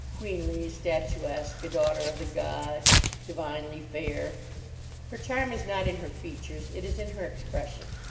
Queenly, statuesque, a daughter of the gods, divinely fair. Her charm is not in her features. It is in her expression.